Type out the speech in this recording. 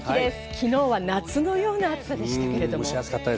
昨日は夏のような暑さでした。